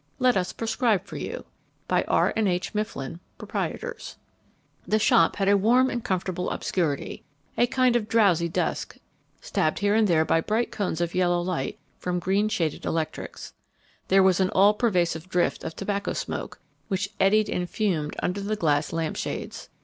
Let us prescribe for you. By R. & H. MIFFLIN, Proprs. The shop had a warm and comfortable obscurity, a kind of drowsy dusk, stabbed here and there by bright cones of yellow light from green shaded electrics. There was an all pervasive drift of tobacco smoke, which eddied and fumed under the glass lamp shades.